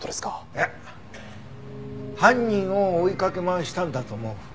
いや犯人を追いかけ回したんだと思う。